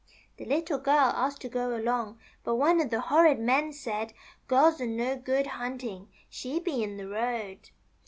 The Little Girl asked to go along, but one of the horrid men said :^ Girls are no good hunting. She'd be in the road.